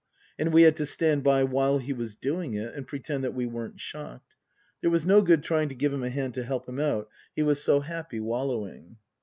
And we had to stand by while he was doing it and pretend that we weren't shocked. There was no good trying to give him a hand to help him out, he was so happy wallowing.